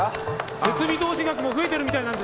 設備投資額も増えてるみたいなんですけど。